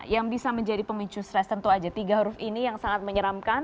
yang bisa menjadi pemicu stres tentu saja tiga huruf ini yang sangat menyeramkan